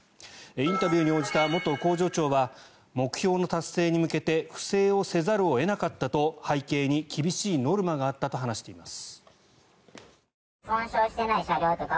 インタビューに応じた元工場長は目標の達成に向けて不正をせざるを得なかったと背景に厳しいノルマがあったと話しています。